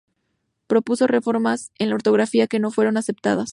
Propuso reformas en la ortografía que no fueron aceptadas.